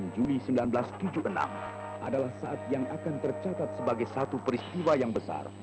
dua puluh juli seribu sembilan ratus tujuh puluh enam adalah saat yang akan tercatat sebagai satu peristiwa yang besar